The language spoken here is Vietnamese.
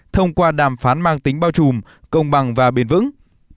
thông qua đàm phán mang tính bao trùm công bằng và bền vững